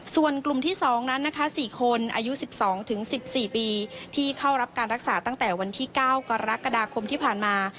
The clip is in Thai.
ส่วนกลุ่มที่๒นั้นนะคะ๔คนอายุ๑๒๑๔ปีที่เข้ารับการรักษาตั้งแต่วันที่๙กรกฎาคมที่ผ่านมา